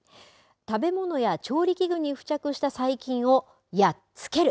食べ物や調理器具に付着した細菌をやっつける